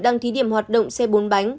đang thí điểm hoạt động xe bốn bánh